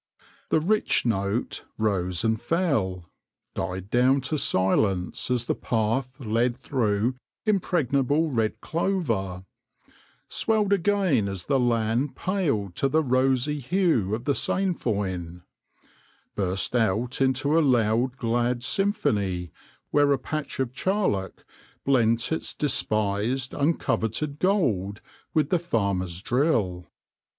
The rich note rose and fell ; died down to silence as the path led through impreg nable red clover ; swelled again as the land paled to the rosy hue of the sainfoin ; burst out into a loud, glad symphony where a patch of charlock blent its despised, uncoveted gold with the farmer's drill.